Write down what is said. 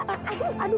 aduh aduh aduh